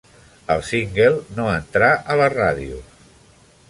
El Single no entrà a les ràdios.